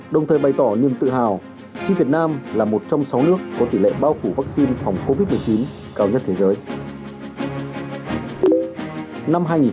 đồng thời bày tỏ niềm tự hào khi việt nam là một trong sáu nước có tỷ lệ bao phủ vaccine phòng covid một mươi chín cao nhất thế giới